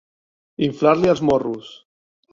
Inflar-li els morros.